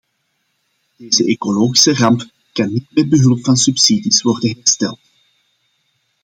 Deze ecologische ramp kan niet met behulp van subsidies worden hersteld.